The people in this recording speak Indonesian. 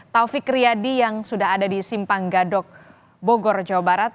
taufik riyadi yang sudah ada di simpang gadok bogor jawa barat